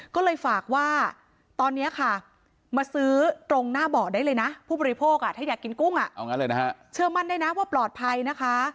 ก็เลยฝากว่าตอนนี้ค่ะมาซื้อตรงหน้าเบาะได้เลยนะผู้บริโภคถ้าอยากกินกุ้งเชื่อมั่นได้นะว่าปลอดภัยนะคะ